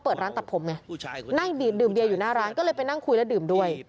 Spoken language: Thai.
เปิดร้านตัดผมไงนั่งบีดดื่มเบียร์อยู่หน้าร้านก็เลยไปนั่งคุยแล้วดื่มด้วย